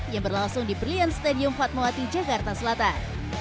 yang berlangsung di brilliant stadium fatmawati jakarta selatan